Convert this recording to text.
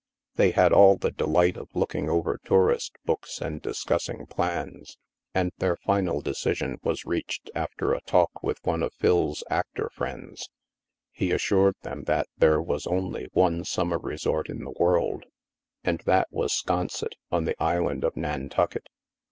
*' They had all the delight of looking over tourist books and discussing plans. And their final de cision was reached after a talk with one of Phil's actor friends. He assured them that there was only one summer resort in the world, and that was Scon set, on the island of Nantucket.